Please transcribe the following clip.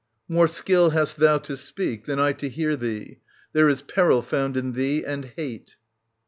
More skill hast thou to speak than I to hear Thee. There is peril found in thee and hate.